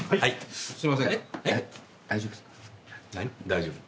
「大丈夫？」